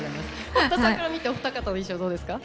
堀田さんから見てお二方の衣装どうですか？